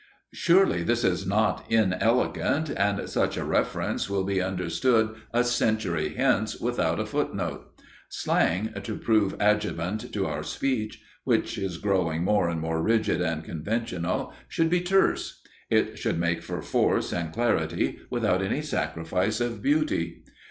Surely this is not inelegant, and such a reference will be understood a century hence without a foot note. Slang, to prove adjuvant to our speech, which is growing more and more rigid and conventional, should be terse; it should make for force and clarity, without any sacrifice of beauty.